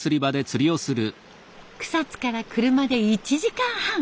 草津から車で１時間半。